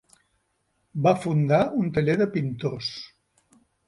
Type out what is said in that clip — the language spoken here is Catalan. Va fundar un taller de pintors.